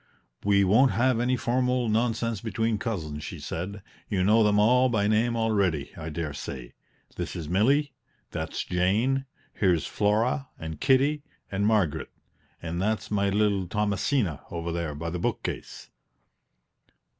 "We won't have any formal nonsense between cousins," she said; "you know them all by name already, I dare say. This is Milly; that's Jane; here's Flora, and Kitty, and Margaret; and that's my little Thomasina over there by the book case."